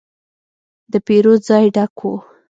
د پیرود ځای ډک و.